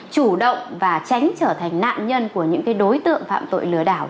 chủ động và tránh trở thành nạn nhân của những đối tượng phạm tội lừa đảo